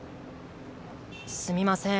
すみません。